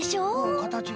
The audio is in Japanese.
かたちが。